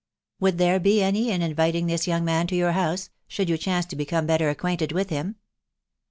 Would there be any in inviting this young man to your house, should you chance to become better acquainted with him